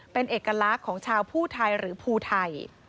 เป็นเอกลักษณ์ของชาวผู้ไทยหรือภูไทย